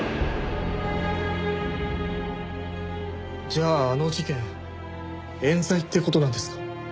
じゃああの事件冤罪って事なんですか？